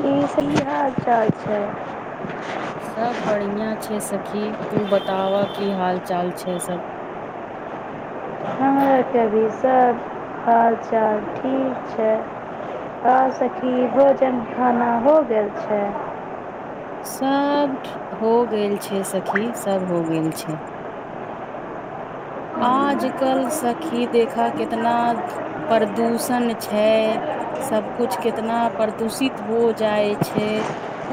की सही हाल चाल छय सब बढ़िया छै सखी तू बताव की हाल चाल छै सभ हमराके भी सभ हाल चाल ठीक छै आ सखी भोजन खाना हो गेल छै सभ हो गेल छै सखी सभ हो गेल छै आजकल सखि देखा केतना प्रदूषण छै सभकुछ केतना प्रदूषित हो जाइ छै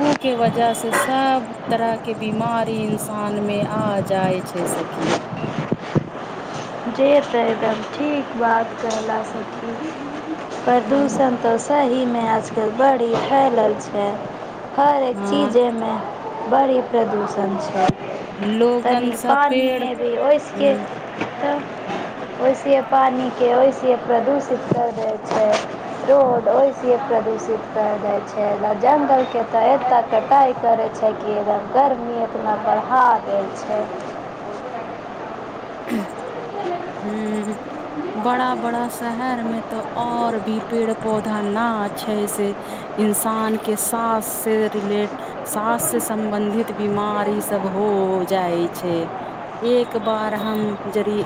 उके वजहसे सभ तरहके बिमारी इंसानमे आ जाइ छै सखी जेतै तब ठीक बात कहला सकी प्रदूषण तऽ सहीमे आजकल बड़ी फैलल छै हर एक हँ चीजेमे बड़ी प्रदूषण छै लोगन तनी सब पेड़ पानिमे भी ओइस के ह तऽ वैसेे पानिके वइसे प्रदूषित कल जाइ छै रोड वइसे प्रदूषित कल जाइ छै जंगलके तऽ एतऽ कटाइ करै छै कि एकदम गर्मी एतना बढ़ा दै छै हू बड़ा बड़ा शहर में तऽ और भी पेड़ पौधा न छै से इंसान के सास से रिलेट सास से सम्बंधित बीमारी सब हो जाइ छै एक बार हम जरी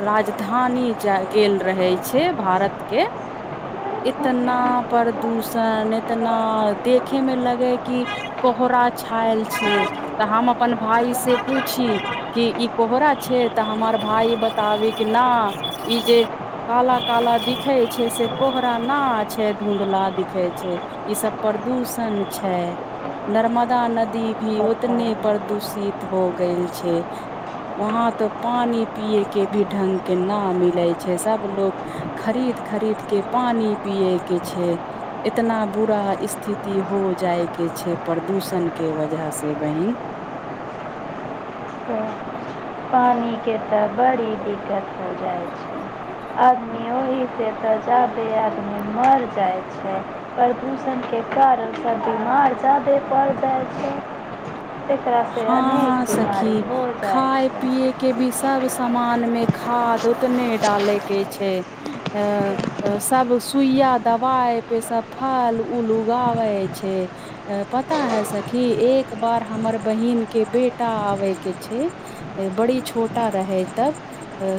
राजधानी जा गेल रहे छै भारत के इतना प्रदूषण इतना देखे मे लगे कि कोहरा छायल छै तऽ हम अपन भाय से पूछी कि इ कोहरा छै तऽ हमर भाय बताबी के न ई जे काला काला दिखै छै से कोहरा न छै धुँधला दिखे छै ई सब प्रदूषण छै नर्मदा नदी भी उतने प्रदूषित हो गेल छै वहाँ तऽ पानि पिएके भी ढंगके न मिलै छै सभलोग खरीद खरीदके पानि पियएके छै इतना बुरा स्थिति हो जायके छै प्रदूषण के वजहसे बहीन पानीके तऽ बड़ी दिक्कत हो जाइ छै आदमी ओहिसे तऽ जादे आदमी मर जाइ छै प्रदूषणके कारणसँ बीमार जादे पड़ि जाइ छै एकरासे अनेक बीमारी हो जाइत छै पिए के भी सब सामान में खाद उतने डाले के छै अ अ सब सुइया दवाई पे सब फल उल उगाबे छै पता है सखी एक बार हमर बहिन के बेटा आबे के छै बड़ी छोटा रहे तब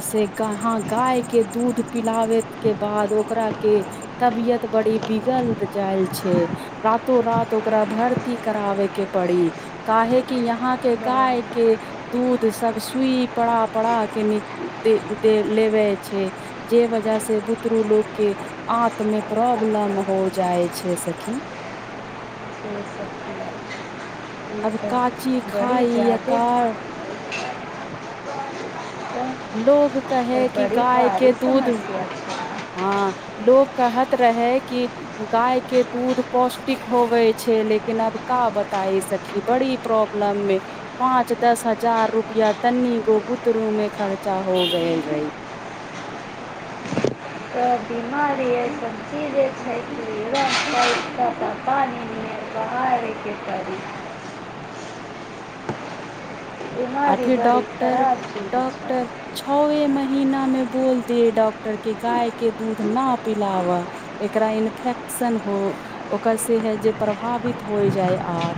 से हा गाय के दूध पिलाबे के बाद ओकरा के तबियत बड़ी बिगल जायल छै रातो रात ओकरा भर्ती कराबे के पड़ी काहेकि यहाँ के गाय बनै के दूध सब सुई पड़ा पड़ा के न दे दे लेबे छै जे वजह से बुतरू लोकगके आँत मे प्रॉब्लम हो जाइ छै सखी छै सखी ई अब तऽ काची बड़ी खाइ जादे एकार तऽ लोक कहे कि बड़ी गाय भारी के दूध समस्या छै हँ लोग कहत रहे क गाय के दूध पौष्टिक होवे छै लेकिन अब का बताय सखी बड़ी प्रॉब्लम मे पांच दस हजार रुपआ तनी गो बुतरू में खर्च बच्चा हो गेल रहै त बीमरी समचीजे [unintelligible] छै किर ख त पान सहहारके करी आ बीमारी फिर बड़ी ॉक्टर खराब चीज छै डॉक्टर छओवे मह हीना में बोल दियै ॉक्टर डॉक्टर केगाय दू प एक इनफै सन हो ओकर से हे जे प्रभावित हो जाय आत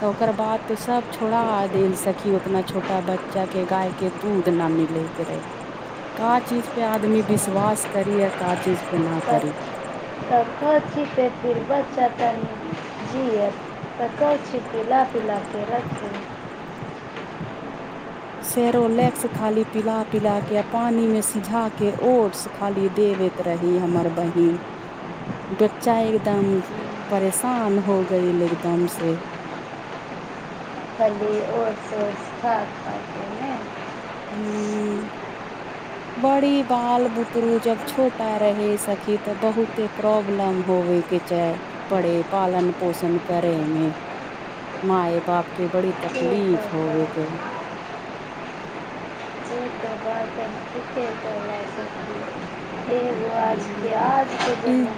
तऽ ओकर बाद तो सब छोड़ा देल सक कि उतना छोटा बच्चा के गाय के दूध न मिले के रहे का चीज पे आदमी विश्वास करी य का चीज पे ना तऽ करी तऽ करैत छी ते फिर बच्चा तनि जियए तऽ कर छी पिला पिला के रखू सेेरोलैक्स खाली पिला पिला के पानी मे सिझा के ओट्स खाली देबैत रही हमर बहिन बच्चा एकदम परेशान हो गय एकदम से खी ओरसँरथा गेल नहि ह बड़ी बाल बुदुरू जब छोटा रहे सखी तऽ बहुते प्रॉब्लम होवेके चे परड़े पालन पोषण करेमे माय बापके बड़ी से तकलीफ तऽ होवेके रहे चेक के बात अब ठीके जकेजमे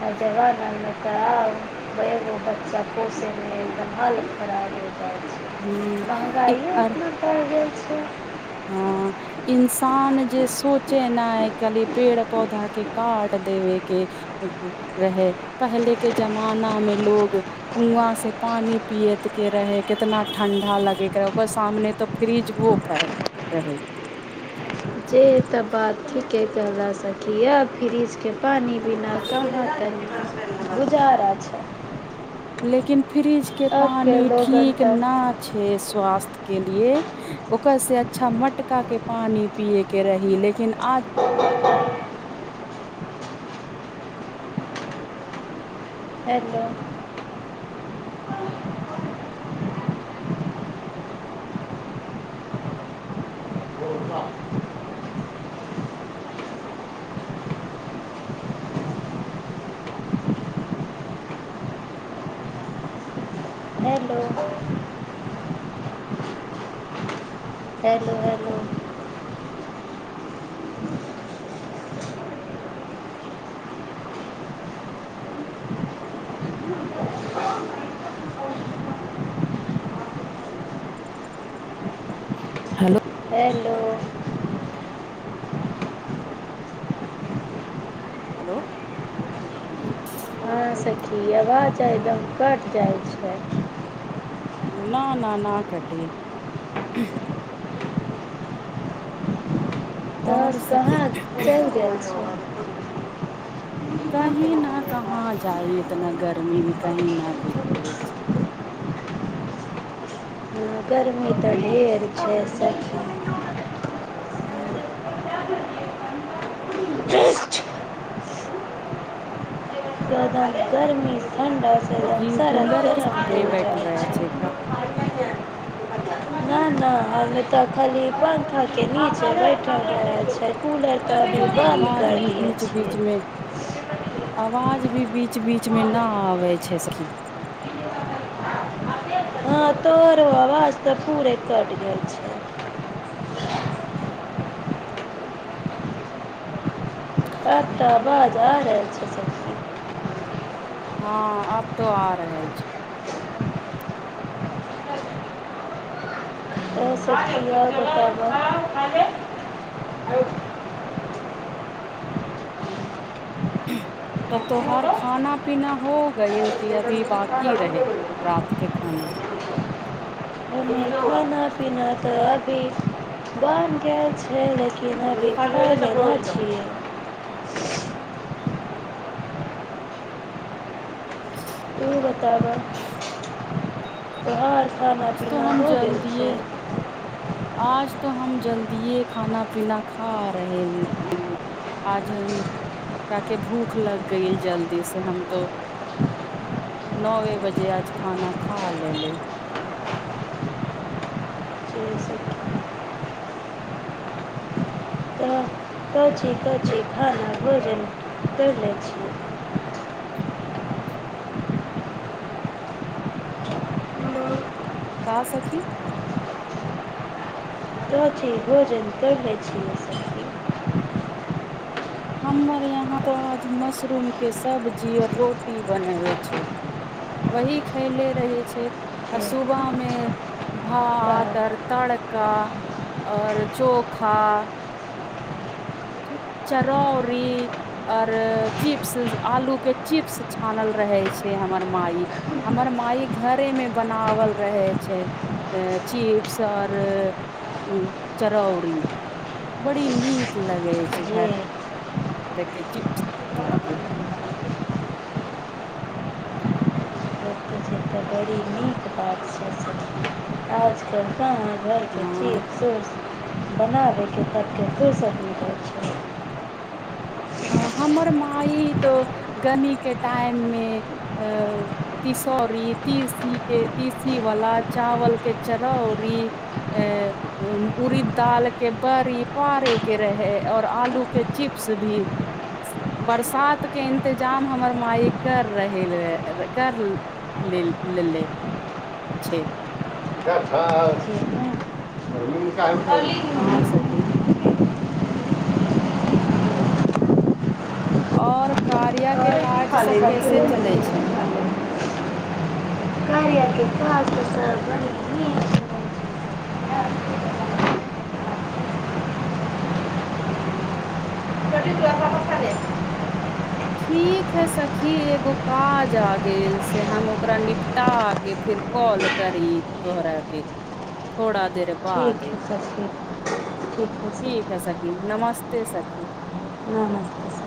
[inaudible] न जवानामे तगो बच्चा पोसे रह एकदमाल खड़ा रह ह ई महँगाइो आर उतना पड़ि गेल छै। हँ इंसान जे सोचे न है खालि पेड़ पौधा के काट देवे के रहे पहले के जमाना में लोग कुआँ से पानी पिययत के रहे कितना ठंडा लगे के रहे ओकर सामने तो फ्रिज भो फैल रहै जे तऽ बात ठीक के कल सखी यऽ फ्रिजके पानी पीना क [inaudible] चारा छै लेकिन फ्रिज के अब पानी लोगन ठीक त न छै स्वास्थ्य के लिए ओकर से अच्छा मटकाके पानि पियएके रही लेकिन आज हेलो हेलो हेलू हेलू हलो एेलू हेलो अहाँसँ की आवाज एकदम कटि जाइ छै न न न कटी आ और कहाँ सखी चलि गेल छ [inaudible] कहीँ ने कहाँ जाय इतना गर्मीमे कहीँ ने गेल रहै छै नी तऽ ढेर छै सख हू एकदम गर्मी ठण्डाँ से चूँकि एकदम सड़द कूलर के गरम सामने हो बैठल जाइ रहे छै [unintelligible] नहि नहि हम तऽ खाली पंखा के निचे बैठल रह छ कूलर तऽ अभी बन्द आवाज करि भी दियै बीच बीच मे छियै आवाज भी बीच बीचमे ना आबै छै सहि हँ तोहरो आवाज तऽ पूरे कट गेल छै ह्म [unintelligible] अ त बाद [unintelligible] जा रहल छै सबी हँ आब तो आ रहल छै [inaudible] तऽ तोहार खाना पीना हो गल कि अभी बाकी रहै रात के खाना ओने खाना पीना तऽ अभी बान गैल छै लेकिन [inaudible] छै अचछा [inaudible] तु बताबऽ तौहर खाना आज तो पीना हम हो गेल छै जल्दिए आज तऽ हम जल्दिए खाना पीना खा रहे आज हम ताके भूख लग गय जल्दी से हम तो नओवे बजे आज खाना खा ले ले से सब कची कची खाना भोजन करि लैत छी का सखी तऽ चीज भोजन करलै छियै सखी हमर यहाँ तो आज मशरूम के सब्जी आओर रोटी बनेब छै वही खयले रहै छै आ जे सुबहमे बात भात आर तड़का आओर चोखा चरौरी आऔर चिप्स आलू के चिप्स छानल रहै छै हमर माई हमर माई घरेमे बनावल रहै छै चिप्स आऔर चरौरी बड़ी नीक लगे छै जे घर चिप्स होतै से तऽ बड़ी नीक बात छै सखी आजकल कहाँ घरके हँ चिप्स सोर्स बनाबयके तबके कोइसभ न रहइ छै ह हमर माइ तो गर्औमी के टाइम मे तिसौरी तिसी के तीसी वाला चावल के चरौरी अ उड़ दाल के बड़ी पारे के रहे और आलू के चिप्स भी बरसातके इन्तजाम हमर माय कर रह कर लेले छै जे ने [inaudible] हँ सखी और कार्या के काज सब कैसे चलै छै िय के पासस ब [unintelligible] ह्म [unintelligible] छोटी तू अपना मसाले ठीक है सखी एगो काज आ गेल से हम ओकरा निपटा के फिर कॉल करी तोहरा के थोड़ा देर ठीक बादे छै सखी ठीक है सखी नमस्ते सखी नमस्ते सर